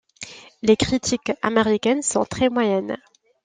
Les critiques américaines sont très moyennes.